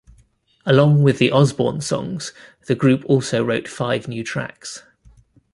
Along with the Osbourne songs, the group also wrote five new tracks.